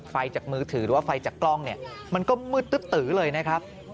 จากมือถือหรือว่าไฟจากกล้องเนี่ยมันก็มืดตึ๊บตือเลยนะครับ